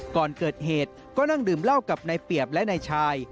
ก่อนเกิดเหตุก็นั่งดื่มเหล้ากับนายเปียบและนายชาย